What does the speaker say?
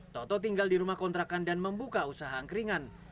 toto tinggal di rumah kontrakan dan membuka usaha angkringan